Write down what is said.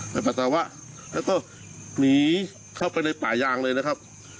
ปัสสาวะแล้วก็หนีเข้าไปในป่ายางเลยนะครับ